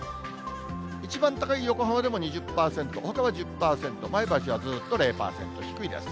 一番高い横浜でも２０％、ほかは１０％、前橋はずっと０％、低いです。